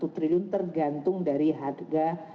triliun tergantung dari harga